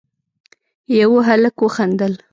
يوه هلک وخندل: